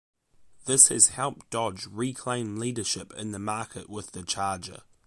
This has helped Dodge reclaim leadership in the market with the Charger.